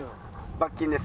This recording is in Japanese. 罰金です。